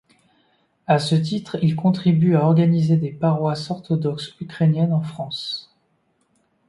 À ce titre il contribue à organiser des paroisses orthodoxes ukrainiennes en France.